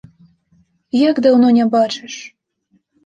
Як даўно не бачыш?